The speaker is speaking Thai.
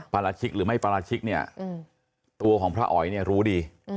ปราชิกหรือไม่ปราชิกตัวของพระอ๋อยรู้ดี